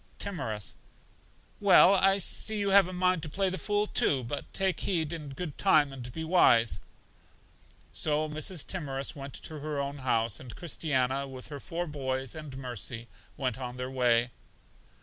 Timorous: Well, I see you have a mind to play the fool, too; but take heed in good time, and be wise. So Mrs. Timorous went to her own house; and Christiana, with her four boys and Mercy, went on their way.